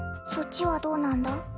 そっちはどうなんだ？